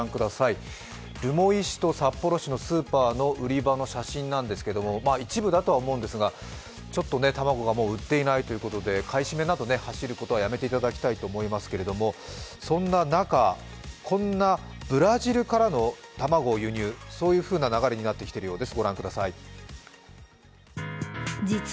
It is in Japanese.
留萌市と札幌市のスーパーの売り場の写真なんですけど、一部だとは思うんですが、ちょっと卵がもう売っていないということで買い占めなど走ることはやめていただきたいと思いますけれども、そんな中、こんなブラジルからの卵輸入そんな流れになってきているようです。